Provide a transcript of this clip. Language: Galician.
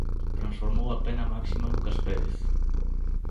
Transformou a pena máxima Lucas Pérez.